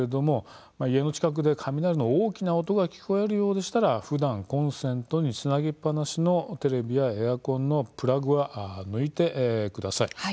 家の近くで雷の大きな音が聞こえるようでしたらふだんコンセントにつなぎっぱなしのテレビやエアコンのプラグは抜いてください。